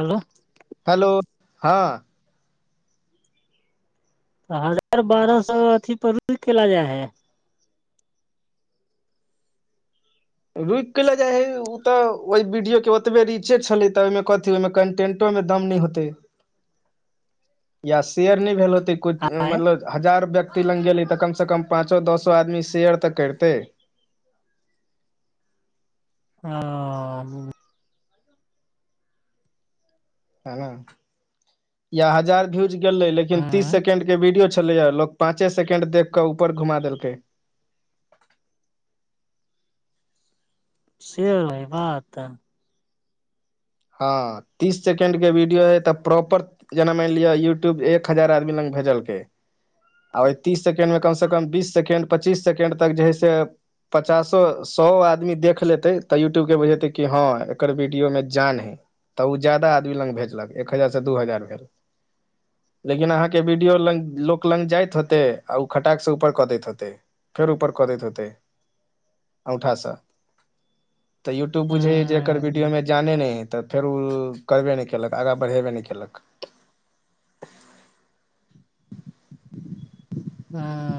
Hello hello हँ तऽ हजार बारह सौ अथी पर रुक केला जाए है रुइक केेले जाय हे ओ तऽ ओहि वीडियो के ओतबे रीचे छले तऽ ओहिमे कथी ओहिमे कंटेंट टो म दम नय होते या शेयर नय भेल हैते [unintelligible] आय मतलब हजार व्यक्ति लग गेलै तऽ कमसँ कम पाँचो दसो आदमी शेयर तऽ कैरतै [unintelligible] [inaudible] या हजार व्यूज गेले लेकिन तीस हँ सेकेंड के वीडियो छ छलैह लोग पांचे सेकेंड देख कऽ ऊपर घुमा देलकै से रहे बात हँ तीस सेकेंड के वीडियो है तऽ प्रॉपर जेना माइन लिअ यूट्यूब एक हजार आदमी लग भेजलकै आ ओइ तीस सेकेण्डमे कमसँ कम बीस सेकेण्ड पच्चीस सेकेण्ड तक जे हइ से पचासो सओ आदमी देख लेते तऽ यूट्यूब के बुझेते कि हँ एकर वीडियो मे जान है तऽ ओ ज्यादा आदमी लग भेजलक एक हजार से दू हजार भेल लेकिन अहाँके वीडियो लंग लोक लंग जाइत हेते आ ओ खटाक से ऊपर कऽ दैत होेते फैर उपर क दैत होते औठास तऽ यूट्यूब बुझेय जे एकर वीडियो मे ने है तऽ फेर उ करबे नय केलक आगाँ बढ़ेबे नय केलक उमऽ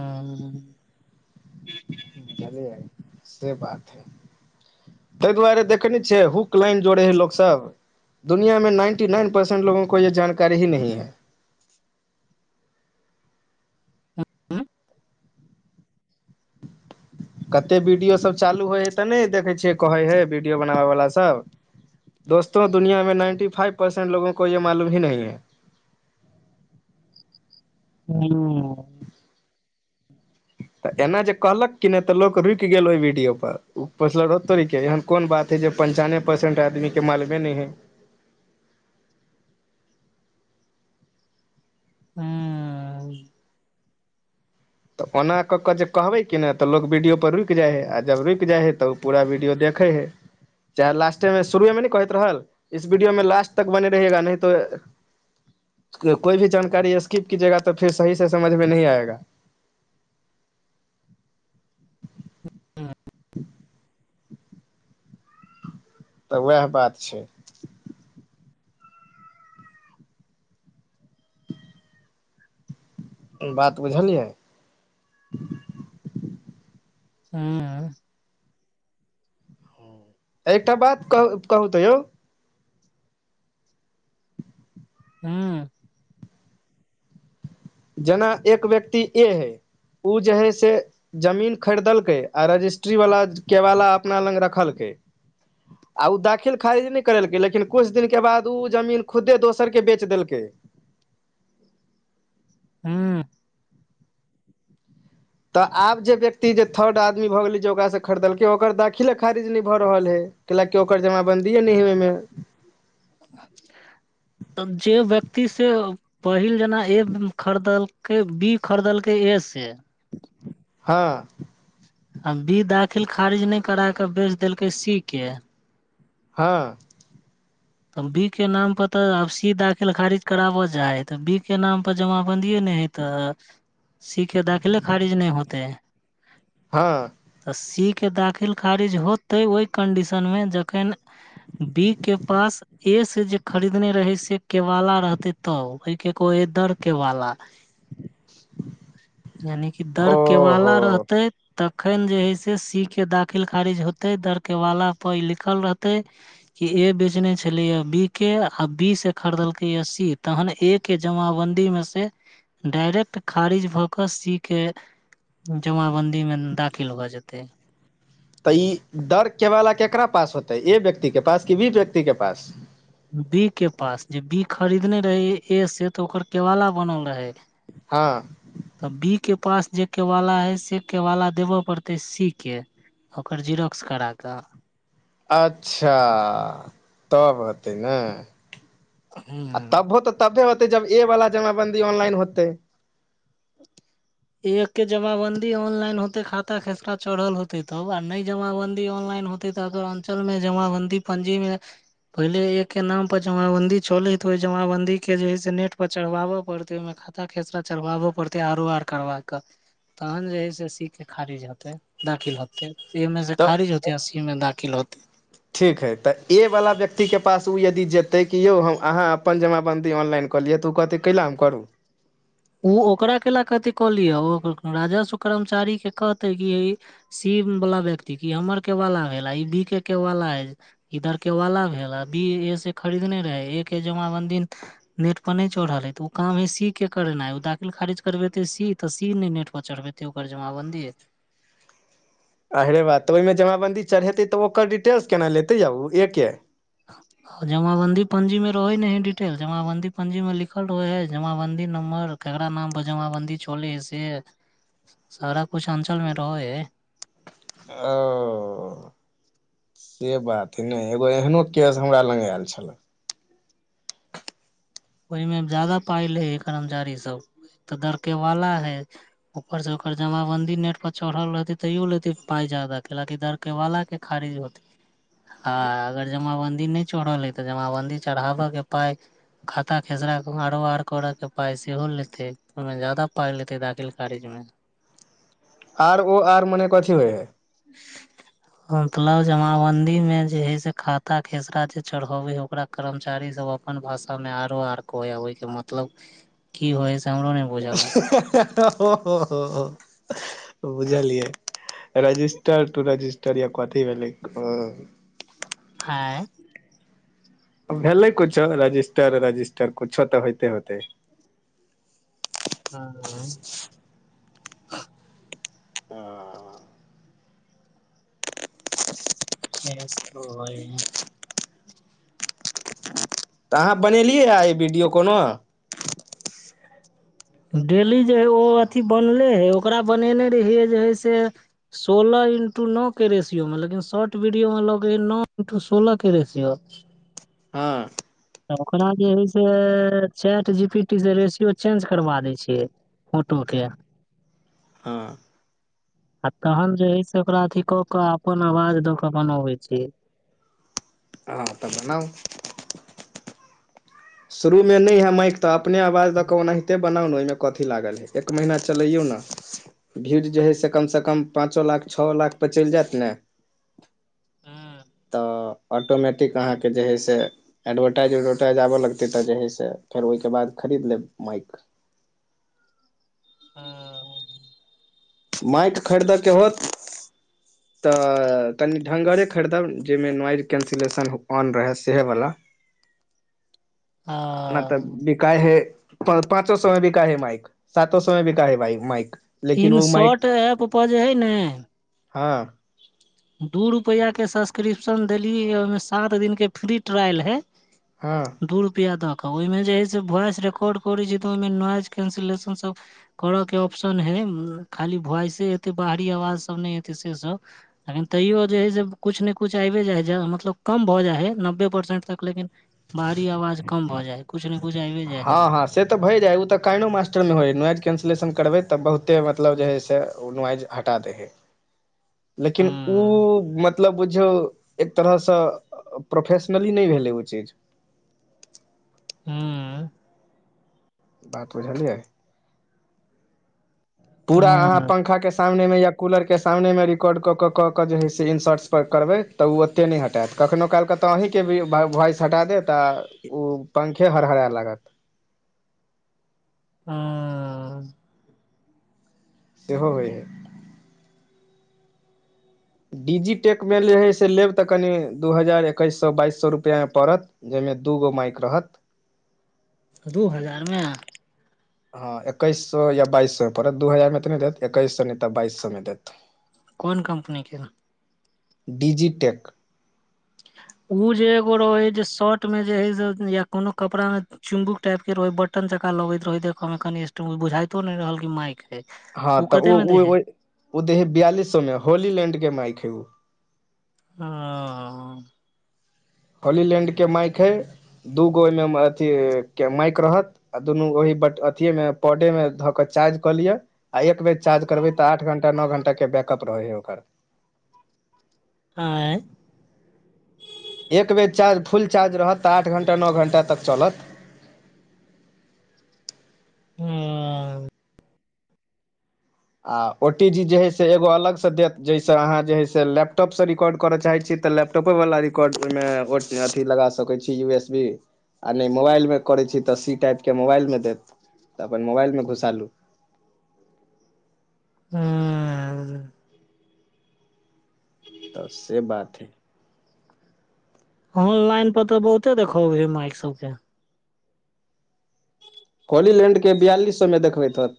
जले है की से बात है तेइ दुआरे देखैने छियै हुक लाइन जोड़े हइ लोकसभ दुनियामे नाइन्टी नाइन परसेंट लोगो को ये जानकारी ही नहीं है हम्म कते वीडियो सब चालू होइ हइ तऽ नए देखै छियै कहै हइ वीडियो बनाबैवला सभ दस्तो दुनियामे नाइन्टी फाइव परसन्ट लोगो को ये मालूम ही नहीं हैं हूँ तऽ एना जे कहलक की नैय तऽ लोक रुइक गेल ओइ वीडियो पर [unintelligible] कोन बात हइ जे पनचानवे परसेन्ट आदमीके मालूमे नइ हइ [unintelligible] तऽ ओना कऽ कऽ जे कहबै कि नय तऽ लोक वीडियो पर रुइक जाइ हइ आ जब रुइक जाइ हइ तऽ पूरा वीडियो देखै हइ चाहे लास्टे मे शुरुए मे न कहैत रहल इस वीडियो में लास्ट तक बने रहियेगा नहीं तो [unintelligible] कोइ भ जानकारी स्किप [unintelligible] कीजेगाऽ फर सही से समझमे नहिी आएगा [unintelligible] [inaudible] हम्म [unintelligible] तऽ वएह बात छै बात बुझलियै हूँ एकटा बात कहू कहू तऽ यौ हूँ जेना एक व्यक्ति ए हइ ओ जे हइ से जमीन खरीदलकै आ रजिस्ट्री वला केवला अपना लंग रखलकै आओर ओ दाखिल खारिज नहि करेलकै लेकिन कछु दिनके बाद ओ जमीन खुदे दोसरके बेच देलकै हूँ तऽ आब जे व्यक्ति जे थर्ड आदमी भऽ गेलै जे ओकरासँ खरीदलकै ओकर दाखिले खारिज नहि भऽ रहल हइ कैलाकि ओकर जमाबंन्दी यै नै हइ ओहिमे तऽ जे व्यक्ति से पहिल जेना ए खरीदलकै बी खरीदलकै ए से हाँ आ बी दाखिल खारिज नहि कराकऽ बेच देलकै सी के हाँ तऽ बी के नाम पर तऽ आब सी दाखिल खारिज कराबऽ जाइ तऽ बी के नाम पर जमााबंदीे नै हइ तऽ सी के दाखले खारिज नहि होतै हाँ तऽ सीके दाखिल खारिज होतै ओहि कन्डीशनमे जखन बी के पास ए से जे खरीदने रहै से केवाला रहतै तब ओहि के कहै हइ दर केवाला यानि की दर ओहो केवाला रहतै तखन जे हइ से सी के दाखिल खारिज होतै दर केवाला पर इ लिखल रहतै की ए बेचने छलै या बी के आ बी से खरीदलकै या सी तहन ए- -के जमाबंदी मे से डायरेक्ट खारिज भऽ कऽ सी के जमाबंदी मे दाखिल भऽ जेतैय तऽ ई दर केवाला केकरा पास होतै ए व्यक्ति के पास की बी व्यक्ति के पास बी के पास जे बी खरीदने रहै ए से तऽ ओकर केवाला बनल रहै हाँ तऽ बी के पास जे केवाला हइ से केवाला देबऽ पड़तै सी के ओकर झिरॉक्स करा कऽ अच्छा तब हतै ने आ हूँ तबो तऽ तबे होतै जब ए वला जमाबंदी ऑनलाइन होतै [inaudible] ए के जमाबंदी ऑनलाइन होतै खाता खेसरा चढ़ल होतै तब आ नै जमाबंदी ऑनलाइन हो- -तै अगर अञ्चल मे जमाबंदी पंजीमे पहिले ए के नाम पर जमाबंदी चलै हइ तऽ ओई जमाबंदी के जे हइ से नेट पर चढ़बाब पड़तै ओइमे खा- -ता खेसरा चढ़बाब पड़- -तै आरो आर करबा कऽ तहन जे हइ से सी के खारिज हेतै दाखिल हो- ए मे से तऽ खारिज होत हसी मे दाखिल होतै ठीक हइ तऽ ए वला व्यक्तिके पास ओ यदि जेतै कि यौ हम अहाँ अपन जमाबन्दी ऑनलाइन कऽ लिअ तू कहतै कै ल हम करू ओ ओकरा के ल क अथ क लिय ओ राजा सुक्रामचारी के कहते कि सी वालला व्यक्ति क हमर केवाला भेला ई बी के के वाला है इधर के वाला भेल अभी एस खरीदने रहे एके जमा बन्दिन नेट पर न चढ़ रहल हे ते उ काम ही सी के करनाइ ओ दाखिल खारिज करबेते सी तऽ सी नहि नेट पर चढ़बेते ओकर जमाबंन्दी। अहरे बात तऽ ओहिमे जमाबन्दी चढ़ेतै तऽ ओकर डिटेल्स केना लेतै आब ओ एके। [inaudible] जमाबंन्दी पञ्जी मे रहै न है डिटेल जमाबंन्दी पञ्जीमे लिखल रहै है जमाबंन्दी नम्बर। केकरा नाम पर जमाबन्दी चलै से हय से सारा कुछ अंचल मे रहै हय। आ से बात नहि एगो एहनो केश हमरा लग आयल छलै ओहिमे ज्यादा पाइ ले हे कर्मचारी सब एक तऽ दरकेवाला है ऊर से ओकर जमाबंदी नेट पर चढ़ल रहते तैयो लेते पाय जादा क लाकि केवालाे खारिज होत आ अगर जमावाबन्दी नहि चढ़ल अइ तऽ जमाबन्दी चढ़ाबयके पाइ खाता खेसरा के आरो आर करे के पाय सेहो लेते ओहिमे जादा पाय लेते दाखिल कारिज में। आर ओ आर मने कथी होइ। [inaudible] मतलब जमाबंदी मे जे है से खाता खेसरा जे चढ़बै है ओकरा। कर्मचारी सब अपन भाषा मे आरो आर कहै ओई के मतलब। [inaudible] कि होय से हमरो बुझल हो हो हो हो। [unintelligible] बुझलियै रजिस्ट टू रजिस्टर या कथी भेलै हँय भेलै कुछो रजिस्टर रजिस्टर कुछो तऽ होइते होते। हँ। हा [inaudible] हेस कोय तऽ अहाँ बनेलियैया आ ई वीडियो कोनो। डेली जे हइ ओ अथी बनले हय ओकरा बनेने रहियै जे है से। सोलह इन्टू न के रेसियो मे लेकिन शॉर्ट वीडियो मे लगै है न इन्टू सोलह के रेसियो। हँ। तऽ ओकरा जे है से चैट जी पी टी से रेसियो चेंज करबा दै छियै। ओटोके। हँ। आ तहन जे हय से ओकरा अथी कऽ क अपन आवाज दऽ क बनबै छीयै हँ तऽ बनाउ। शुरू मे नै हए माइक तऽ अपने आवाज द क ओनाहिते। बनाउ न ओहिमे कथी लागल है एक महीना चलैयौ न भीड़ जे है से कमसँ कम पाँचो लाख छओ लाखपर चलि जायत ने। तऽ ऑटोमेटिक अहाँकेँ जे है से। एडवर्टाइज उडवरटाइज आबय लगतै तऽ जे है से फेर ओइ केँ बाद खरीद लेब माइक। हाँ [unintelligible] माइक खरीदय केँ होत। [inaudible] तऽ कनि ढंगरे खरीदब जाहिमे नॉइज कैन्सिलेशन ऑन रहै सेहे बला। [unintelligible] नै तऽ बिकाई है प पाँचव सौ म बिकाई है मइक सातो सौ म बिकाई बइ मइक। इनशॉट ऐप पर जे है ने हँ। दू रुपैआ कऽ सब्सक्रिप्शन देलीय ओइमें सात दिन फ्री ट्रायल है हऽ दू रुपैआ दऽ कऽ ओइमें जे है से वॉइस रिकॉर्ड करै छी तऽ ओइमें नॉइज कैंसिलेशन सभ। करय कऽ ऑप्शन है खाली वॉइसे एतै बाहरी आवाज सभ नै एतै से सब लेकिन तैयो जे है से कुछ न कुछ आइबै जा है मतलब कम भऽ जाइ हइ नब्बे परसेंट तक लेकिन बाहरी आवाज कम भऽ जाय है [unintelligible] हऽ हऽ से तऽ भऽ जाइ ओ तऽ कइनो मास्टरमे होइ है नुआइज कैंसलेशन करबै तऽ बहुते मतलब जे ह से ओ नुआज हटा दै है [inaudible] लेकिन उऽ हूँ मतलब। बुझियौ एक तरहसँ प्रोफेशनली नै भेलै ओ चीज। [unintelligible] बात बुझलिया पूरा अहाँ हूँ पंखा केँ सामने मे या कूलर केँ सामने में रिकॉर्ड कऽ कऽ कऽ जे है से इनसर्ट्स पर करबे तऽ उ ओते नै हटैत कखनो काल कऽ तऽ अही केँ भ वॉइस हटा देत तऽ उऽ पंखे हरहरै लागत [unintelligible] सेहो होइ है डिजीटेकमे जे ऐलै हे से लेब तऽ कनि दू हजार एकैस सौ बाइस सौ रुपैआ में पड़त जाइ में दू गो माइक रहत दू हजार में हँ एकैस सौ या बाइस सौ में परड़त दू हजार में तऽ नै देत एकैस सौ नै तऽ बाइस सौ मे देत कोन कम्पनी केँ डिजिटेक ऊ जे एगो रह हय जे शर्ट में जे हय से या कोनो कपड़ा मे चुमबुक टाइप कऽ रहे बटन जेका लगैत रहै देख मे कनी स्ट बुझाइतो नै रहल कि माइक है हँ उ तऽ कते उऽ में दै उऽ है अ ओ [inaudible] उदैहे बियालिस सौ में होली लैंड कें माइक है उऽ हऽ होलीलैंड केँ माइक हइ दू गो ओइ में अथी केँ माइक रहत आ दुनू ओहि बट अथिए में पौडे मे धऽ कऽ चार्ज कऽ लिअ आ एक बेर चार्ज करबै तऽ आठ घंटा नौ घण्टा केँ बैकअप रहै है ओकर आँए एक बेेर चार्ज फुल चार्ज रहत तऽ आठ घण्टा नौ घण्टा तक चलत [unintelligible] आ ओटीजीजे है से एगो अलग से देत जाहिसँ अहाँ जे है से लैपटॉप स रिकॉर्ड करय चाहैत छिय तऽ लैप टॉपर वाला रिकॉर्ड ओइमे अथी लगा सकैत छी यू एस बी आ नइ मोबाइलमे करै छी तऽ सी टाइपके मोबाइलमे देत तऽ अपन मोबाइलमे घुसालू हूँ तऽ से बात हइ ऑनलाइन पर तऽ बहुते देखबे हइ माइक सबके [inaudible] कोलीलैंडके बियालिस सौ मे देखबैत होत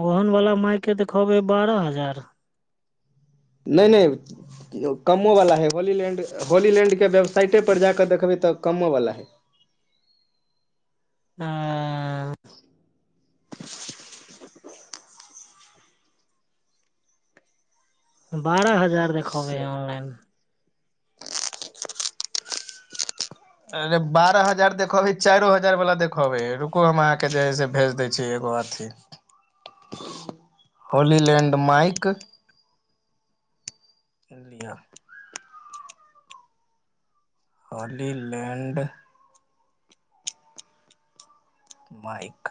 ओहन वला माइकके देखबै हे बारह हजार नैइ नैइ कमोवला हइ होलीलैण्ड होलीलैण्डके वेबसाइटे पर जाकऽ देखबै तऽ कमोवला हइ [inaudible] बारह हजार देखबै हइ ओ ऑनलाइन [inaudible] अरे बारह हजार देखवे है चाइरो हजार वाला देखबै रुको हम अहाँ के जे है से भेज दे छी छैए एगो अथी होलीलैंड माइक इ लिअह हॉलीलैंड माइक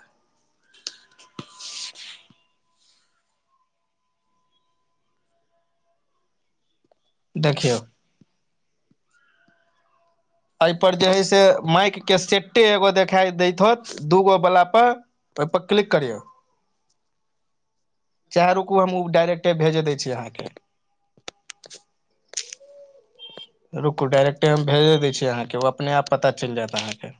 देखियौ ऐ पर जे हय से माइक के सेट्टे एगो देखाइ दैत होत दूगो बला पर तेइप क्लिक करियौ चाहै रुकू हम ओ डाायरेक्टे भेज दै छी अहकेँ रुकू डायरेक्टे हम भेजे दै छी अहाँके ओ अपने आप पता चैल जायत अहाँके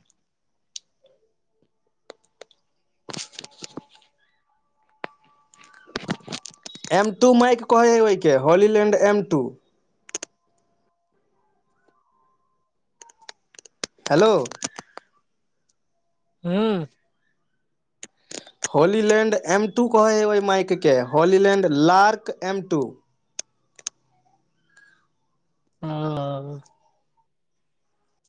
[inaudible] [inaudible] एम टू माइक कहै है ओइके हाॅलीलैंड एम टू हेलो हूँ होलीलैंड एम टू कहै हइ ओइ माइक के होलीलैणड लार्क एम टू [unintelligible]